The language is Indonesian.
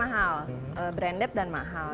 mahal branded dan mahal